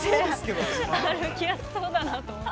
歩きやすそうだなと思って。